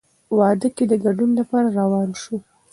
واده کې د ګډون لپاره روان شوو.